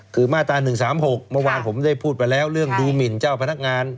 คือมาตรา๑๓๖เมื่อวานผมได้พูดไปแล้วเรื่องดูหมินเจ้าพนักงาน